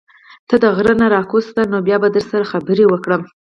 ته د غرۀ نه راکوز شه نو بيا به در سره خبرې وکړم